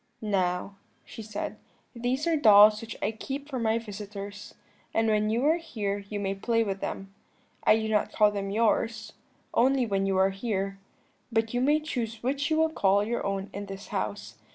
"'Now,' she said, 'these are dolls which I keep for my visitors, and when you are here you may play with them. I do not call them yours, only when you are here; but you may choose which you will call your own in this house.